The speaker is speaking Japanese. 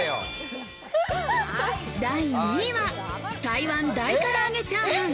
第２位は台湾大からあげチャーハン。